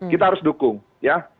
kita harus dukung ya